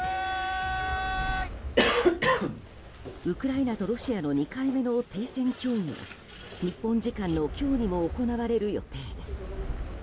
ウクライナとロシアの２回目の停戦協議は日本時間の今日にも行われる予定です。